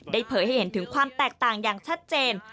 เผยให้เห็นถึงความแตกต่างอย่างชัดเจน